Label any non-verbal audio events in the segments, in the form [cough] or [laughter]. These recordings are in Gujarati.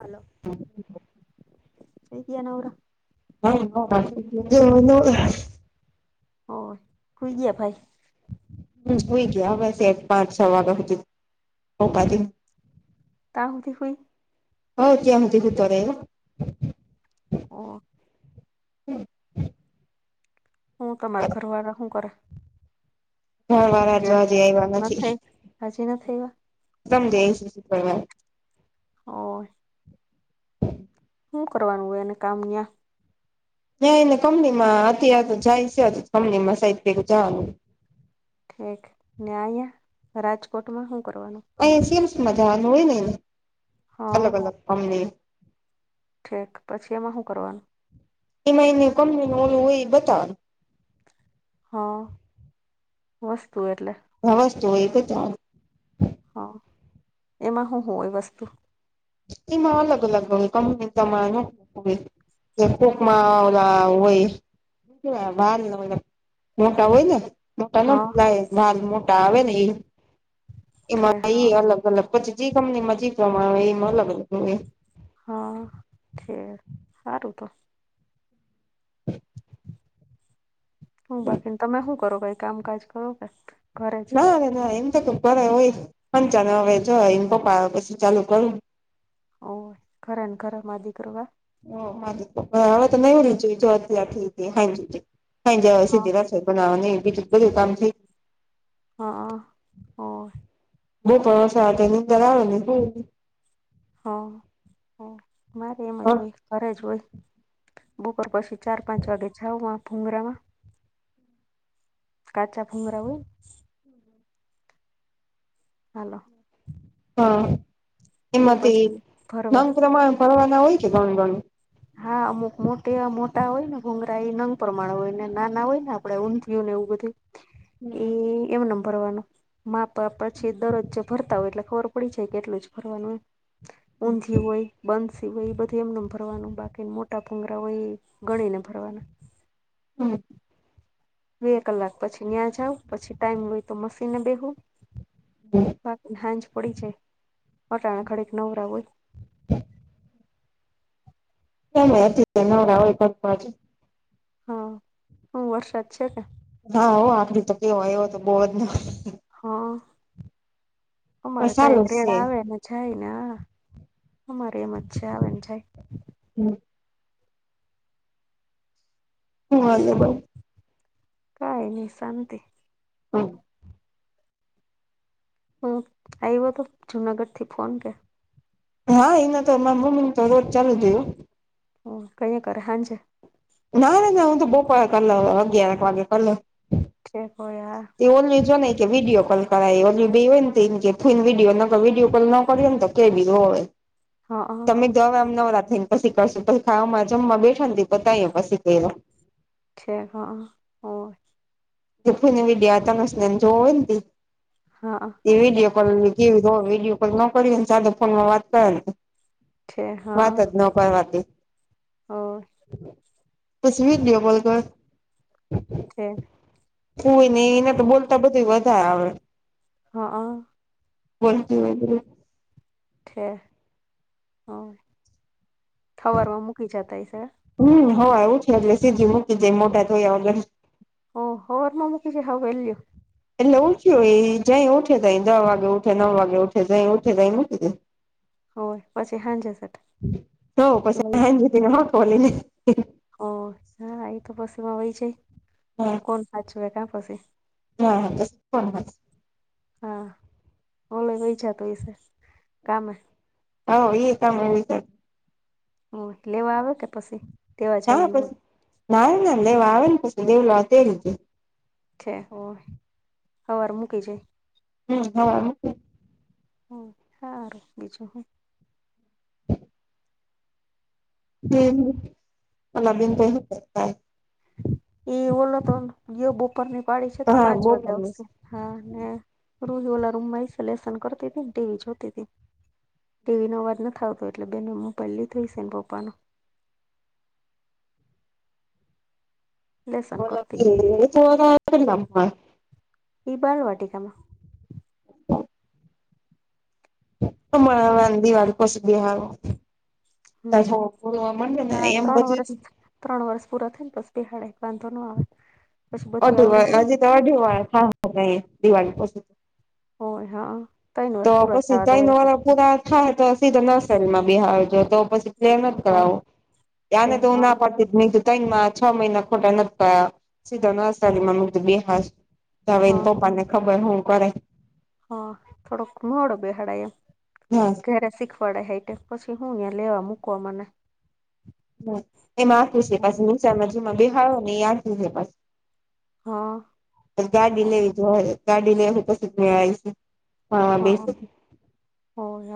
હલો! થઈ ગયા નવરા? [unintelligible] હ સુઈ ગયા ભાઈ. હ હુંઈ ગયા હવે છેઠ પાંચ છ વાગ્યા હુંધી ઊભા થઈ કામ હુધી હુઈ હ કેમ કીધું કરે એ ઓ હું તમાર ઘરવાળા હું કરે? હ અમારા કે હજુ હજી આઇવ્યા નથી હજી નથી સમજે એ [unintelligible] શું કર ઓર શું કરવાનું હોય એને કામ અયાં ત્યાં એને કંપનીમાં અત્યારે તો જાયશે કંપનીમાં સાઈબ ભેગું જવાનું. ઠીક ને અહીયા રાજકોટમાં હું કરવાનું? અહી સિમ્સમાં જવાનું હોયને એને હા અલગ અલગ કંપનીનું ઠીક પછી એમાં હું કરવાનું? એમાં એને કંપનીનું ઓલું હોય એ બતાવાનું હ, વસ્તુ એટલે હ વસ્તુ હોય એ બતાવવાનું. હા, એમાં હું હોય વસ્તું? ઈમાં અલગ અલગ હોય કંપની તમાર હુ [unintelligible] એ કોકમાં ઓલા હોય [unintelligible] મોટા હોય ને મોટા હા [unintelligible] ભાલ મોટા આવે ને એ ઠે એમાં હા એ અલગ અલગ પછી જે કંપનીમા‌ જી પ્રમાણનુ હોય એમાં અલગ અલગનું હોય હા ખેર સારું તો હા હું બાકીને તમે હું કરો? કઈ કામકાજ કરો કે? ઘરે જ ના ના એમ તો કર હોય [unintelligible] ચાને હવે જો એમ પપ્પા પછી ચાલુ કરું. ઓર ખરા ને ખરા મા દીકરવા? ઓ મા દીકરવા. હા હવે તો નવરી છે જોબ ત્યારથી તે હાજી [unintelligible] હમજ્યા આવે છે હા જેવા. બનાવવાની એ બીજું બધું કામથી હ અ. બઉ પવાસ આવે ટ્રેનિંગ કરાવ ને હું હ હ મારે એમ હ જ હોય ઘરે જ હોય બપોર પછી ચાર પાંચ વાગે જાવ આ ભુંંગરામાં કાચા ભુંંગરા હોય ને હાલો હા એ એમાંથી ઈ પછી ભરવા નંગ પ્રમાણ ફરવાના હોય છે ઘણ ઘણું હા અમુક મોટે મોટા હોય ને ભુંગરા એ નંગ પ્રમાણ હોય ને નાના હોય ને આપડે ઊંઘ્યું ને એવું બધું ઈ એ એવો ભરવાનું માપ પછી દરરોજ જે ભરતા હોય એટલે ખબર પડી જાય કેટલું જ ભરવાનું. ઊંધિયું હોય, બન્સી હોય એ બધું એમનેમ ભરવાનું. બાકી મોટા ભુંગરા હોય એ ગણી ને ભરવાના. [unintelligible] બે કલાક પછી ન્યા જાઉ, પછી ટાઈમ હોય તો મશીને બેહુ. બાકી સાંજ પડી જાય, અટાણે ઘડીક નવરા હોય. [unintelligible] [unintelligible] હા બહું વરસાદ છે કે. હા હો આપડી તો કેવાય એવો તો બહું જ ના [unintelligible] હા પણ અમારે કંઈક સારું રેડ છે આવે ને જાયને આ અમારે એમ જ છે આવે ન જાય. હમ્મ. હુ‌ હાલે બહુ. કાઈ નહી શાંતિ. [unintelligible] હુ આયવો તો જુનાગઢ થી ફોન કે હા એન તો મારી મમ્મી ને તો રોજ ચાલુ જ હોય. હ કઈ એ કરે હાંજે? ના ના ના હું તો બપોરે કર લઉ અગિયારેક વાગે કર લઉ. [unintelligible] એ ઓન્લી જો ને કે વીડિઓ કોલ કરાય અમે બે હોઈએ ન તો એમ કે કોઈને વિડીયો ન ક વિડીયો કોલ ન કરીએ ન તો. કેવી હોય? હા. તો હવે આમ નવરા થઈને પછી કરશું પછી ખાવામા જમવા બેઠા ન તે બધાએ પછી કર્યું. છે, હા હોય. [unintelligible] વિડિયો આ તમસને જોવોય ન તઇ. હા એ ઠેક વિડીયો કોલ કેવી હો વિડીયો કોલ ન કર ને સાદો ફોનમાં વાત કરે. ઠેક વાત જ નો કરવા દે. હા. પસી વિડીઓ કોલ કર. ઠીક. કોઈ ને એને તો બોલતા બધુંય વધાર આવડે. હા. બોલતી વોદરી [unintelligible] સવારમાં મૂકી જાતા શે. હમ્મ, હો એવુ છે એટલે સીધી મૂકી જાય મોઢા ધોયા વગર. ઓ હવારમાં મૂકી જાય હાવ વેલ્લી. એટલે ઉઠ્યું એ જઈ ઉઠે તાય દહ વાગે ઉઠે નવ વાગે ઉઠે જાય ઉઠે તાય મૂકી દે. હોય પછી હાંજે સેટ તો પછી લઈ સાંજે [unintelligible] ઓ હા એક બસમાં વઇ જાય. હા. કોણ સાચવે કા પસી. [unintelligible] હા, ઓમેં વહી હોઈશ જાતો વિશે કામે હા, એ તમે [unintelligible] હા, લેવા આવે કે પસી હા, પછી ના ના લેવા આવે ને પછી દેવલો તેડી જાય. છે. હમ સવાર મૂકી જાય. હમ્મ, હા. હારુ બીજું હુ હમ્મ, [unintelligible] એ ઓલો તો ગયો બપોરની પાડી છે તો તે હા પાંચ બહુ વાગે ગમે આવશે. હા, ને રૂહી ઓલા રૂમમાં લેશન કરતી તી ને ટીવી ન જોતી તી. ટીવીનો અવાજ ન થ આવતો એટલે બેને મોબાઈલ લીધો હશે એન પપ્પાનો. લેસન બોલો કરતી હોય [unintelligible] ઈ બાલવાટિકા માં [inaudible] હમણાં વાંધી વાળકો [unintelligible] હમ હા [unintelligible] એમ ત્રણ વર્ષ બધું ત્રણ વર્ષ પૂરા થઈ ને પસ બેહાડય વાંધો ન આવે. પછી બધું અઢી આવડી વા જાય હજી તો અઢી વા હા દિવાળી પછી. હોય હા અ તો પસી તય ન વરહ પૂરા થાય તો સીધો નર્સરીમાં બિહારજો તો પછી કળુ હા છે હા [unintelligible] તઇન છ મહિના ખોટા નતા સીધા નર્સરી મુ બેહ તો હવે હા એના પપ્પા ને ખબર હું કરે. હ થોડોક મોડો બેહાડા એમ. હા. ત્યારે શીખવાડે હે પછી હું લેવા મૂકવા માટે એમાં આખુ છે હા [unintelligible] બેહાળો ને એ આચું છે. હા. ગાડી લેવી જોવા ગાડી લઈપશી જ મેળ આવીશું. હા હો હ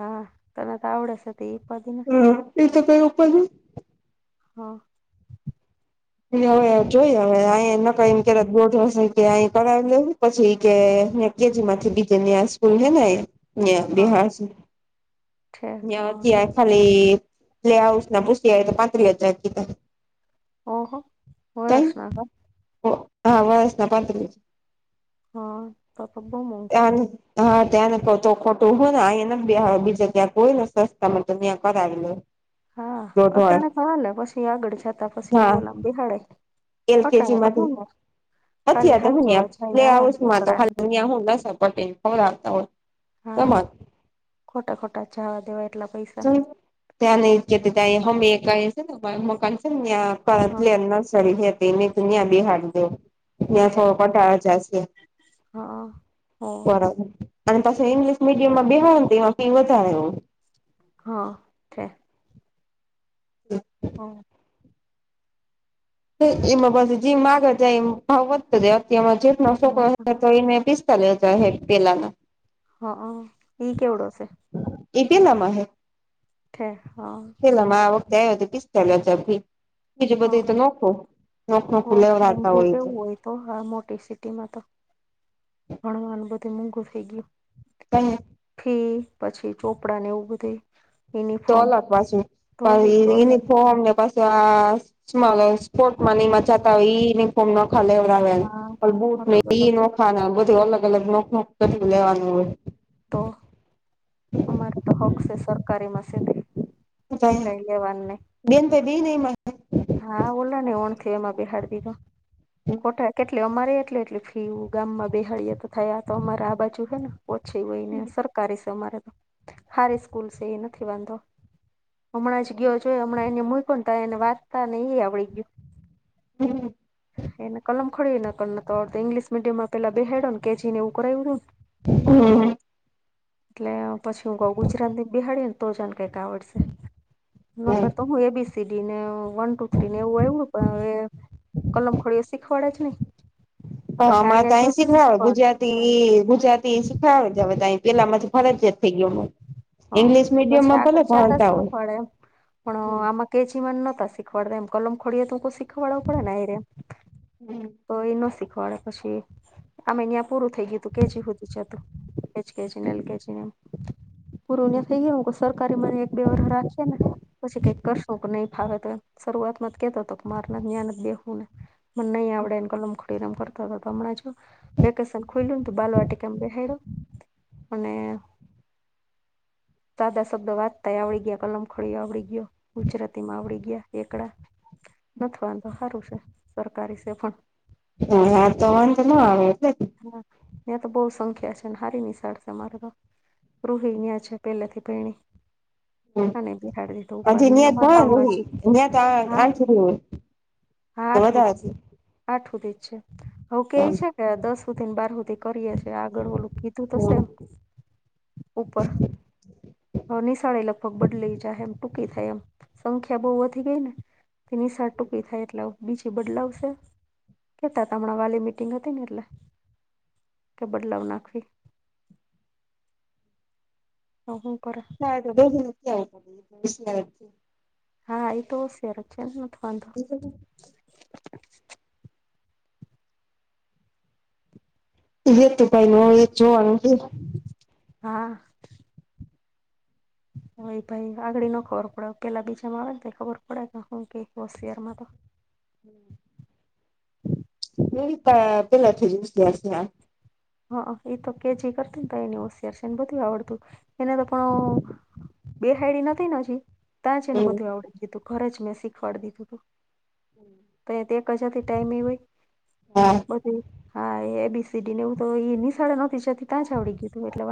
તને તો આ આવડે છે હતી પછી નથી. હા એ તો કઈ ઉપર હા. એ હવે જોઈ હવે અહીં ન કઈ બોડ હશે કે અ કરાવી લેવું પછી ઇ કે કે જેમાંથી બીજે ન્યા સ્કૂલ હે નયા હા બેહાદળ સે. છે હા નયા ખાલી પ્લે હાઉસ ના પૂશી આવી તો પાંત્રીસ હજાર કીધા. ઓહો હો કઈ વર્ષ ના હ? હા વર્ષ ના પાત્રીસ હજાર. હા. આ તો બહુ મેઘ [unintelligible] હા ત્યાંને કો તો ખોટૂ હોયને અહીયા નથ બીજા ક્યાંક હોય ને સસ્તામાં તો ત્યાં કરાવી લે. હા દોઢ અટાણ તો હાલે પછી આગળ જતા પછી ઓલાં બિહાડાય. એલ કેજી માંથી ખાલી નથી તો હું હાચવવા પ્લે જાય હા હાઉસ માં તો એકડા ને ખાલી અ હું નબ [unintelligible] પટે હા [unintelligible] ખોટા ખોટા જાવા દેવા એટલા [unintelligible] પૈસા પરતલે હા એના સળખ હતીને તમે બેહાડી દો. ત્યાં છે થોડો ઘટાળ જશે હા ઓ બરાબર. અને પછી ઇંગ્લિશ મીડિમમાં બેહાડી દેવા ની ફી વધારે હોય. હા થે. [inaudible] હા. તો એમાં પછી જેમ મા આગળ જાય એ ભાવ વધતો જાય અતયમાં જેટ છોકરો તો એને ફીસ ચલે ચાહે પેલા ના. હા હા એ કેવડો છે. એ ટી એમ નામાં હૈ. થે હા. પેલો માં આ વખતે આવ્યો હતો પીસચાલિયા કરથી. બીજું બધી તો હા નખો નખ ન તો ખુલેવ લતા મોંઘું હોય તો. કેવું તો આ મોટી સિટીમાં તો ભણવાનું બધું મોઘું થઈ ગયું. તેમ હમ્મ પછી ચોપડા ને એવું બધે તો અલગ પાછું તો પણ અલગ યુનિફોર્મને પાછ ત્યાં સ્માને સ્પોર્ટમાંની માં જાતા હોય ઇનિફોર્મ ન ખાલે પણ હા બુટ અલગ ને અલગ ઈ નખા બધું અલગ અલગ નખ નખ કરી લેવાનું હવે. તો અમારે તો હક છે સરકારી મશીન. હો જાએ હે, દિન પે દિન મહે હા ઓલા ને ઓણ થ એમાં બેહાડ દીધો ખોટા કેટલી અમારે એટલી એટલી. કેવુ ગામમાં બેહાળએ તો થયા તો અમારે આ બાજુ હે ને. ઓછી હોયને સરકારી છે અમારે તો હારી સ્કૂલ છે એ નથી વાંધો. હમણાં જ ગયો જોઈ હમણાં એને મુઈકો તો એને વાર તા નહિ આવડી ગયું એના કલમ કોઈ નકલ નતો આવડતું ઇંગ્લિશ મીડીયમમાં પેલા બેહાડ્યો કેજી ને એવું કરએવડું. હમ્મ. એટલે પછી હું કઉ ગુજરાતીમાં બેહડીએને તો જન કહેતા આવડશે ન હમ કરતું એ બી સી ડી ને હું વન ટુ થ્રી ને એવું આવ્યું પણ હવે કલમ કોઈ શીખવાડે જ નહી. હા પછી અમા તો અહીંયા જો અહી શીખવડાવે શીખવાડ ગુજરાત તી ગુજરાતી શીખાવાળે જ અહીં પેલામાંથી ફરજિયાત થઈ ગયુ અમે. હ પછી આગળ જતા શીખવાડે પણ અહ હોય આમાં કે જી વન નહોતા શીખવાડતા એમ કલમ ખોડીએ શીખવાડવું પડે ને રેહ. તો એ નો શીખવાડે પછી આમે ત્યા પૂરું થઈ ગયું તું કે જી હુધી જ હતું. એજ કે જી ને લીધે છે. પૂરું ન થઇ ગયુ હમ સરકારી મને એક બે વરસ રાખ જે ને. પછી કઈક કરશું કે નહી ફાવે તો એમ શરૂઆતમાં જ કેતો હતો માર ન્યા નહી બેવું ને મન નઈ આવડે ને કલમ ડેરામ કરતો તો હમણાં જો વેકેશન ખુલ્યું ને બાલવાટીકા માં બેહાડ્યો. અને સાદા શબ્દ વાચતાય આવડી ગયા કલમ ખોડી આવડી ગયો ગુજરાતી માં આવડી ગયા એકડા. નથ વાંધો હારું છે સરકારી છે પણ હા હા તો વાંધો નો આવે એટલે. હા ત્યાં તો બહુ સંખ્યા છે. ને હારી નિશાળશે મારે તો થઈ યા છે. પેહેલેથી પૈણી હજી અને બિહાડ ની તો ન્યા જ ઉપાધિ ભણે માથાના જ રોહી ન્યા તો હા આઠરું હા આઠ હોય તો સુધી છે. આઠ સુધી જ છે. હઓ કે છે. કે દસ સુધી ને બાર સુધી કરીએ છે. ત્યાં આગળ ઓલું કીધું તોશે એમ છે. ઉપર હ નિશાળે લઈ. કોક બદલાઈ જાહે એમ ટૂંકી થાય એમ સંખ્યા બહુ વધી ગઈ હે ને તે નિશા ટૂંકી થાય એટલે બીજી બદલાઉં શે છે. કેતા હમણાં વાલી મીટિંગ હતી. ને એટલે કે બદલાવ નાખવી. ભઉ ભઉ કરે. [unintelligible] હા એ તો હોશીયાર છે. એ નથ વાંધો એ લોકો નું હેતુ ભાઈ નું એ જોવાનું છે. હા.... હ ભાઈ આગળ ની ખબર પડે પેલા બીજામાં આવે ને તો ખબર પડે કે શું કઈક હોશિયારમાં તો. [inaudible] કેવી પે પેલા થી જ હોશિયાર છે. આ હઅ એ તો કે છે. કરતી ને તો એની હોશિયાર છે. એને બધું આવડતું એને તો પણ બેહાયડી નથી. હજી ત્યાં જ છે એને બધું આવડી દીધું ઘરે જ મેં શીખવાડી દીધું તું. તે કજાથી ટાઈમ એ હા હોયી હા એ બી સી ડીને એવું. તો એ નિશાડે નોતી જતી. ત્યાં જ આવડી ગયું તું એટલે વધુ